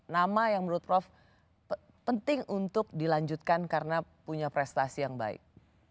nama yang menurut prof penting untuk dilanjutkan karena punya prestasi yang baik